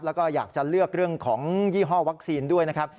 แล้วก็อยากจะเลือกเรื่องของยี่ห้อวัคซีนด้วยนะครับ